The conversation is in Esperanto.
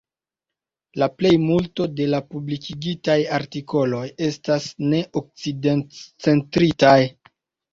La plejmulto de la publikigitaj artikoloj estas neokcidentcentritaj.